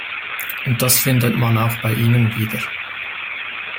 Und das findet man auch bei Ihnen wieder.